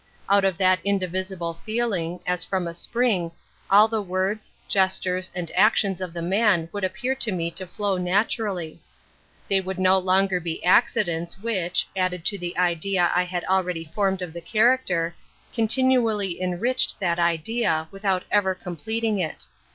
Out of that indivisible feeling, as from a spring, all the words, gestures, and actions of the man would appear to me to flow naturally. They would no longer be accidents which, added to the idea I had already formed of the character, continually enriched that idea, without ever completing it.